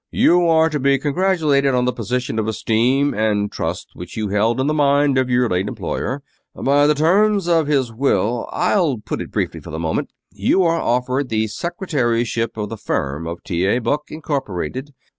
"You are to be congratulated on the position of esteem and trust which you held in the mind of your late employer. By the terms of his will I'll put it briefly, for the moment you are offered the secretaryship of the firm of T. A. Buck, Incorporated.